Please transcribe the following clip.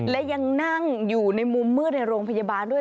และยังนั่งอยู่ในมุมมืดในโรงพยาบาลด้วย